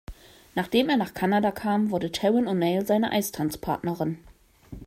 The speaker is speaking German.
Nachdem er nach Kanada kam, wurde Taryn O’Neill seine Eistanzpartnerin.